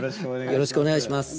よろしくお願いします。